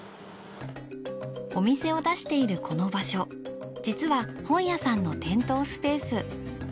お店を出しているこの場所実は本屋さんの店頭スペース。